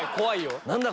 何だ？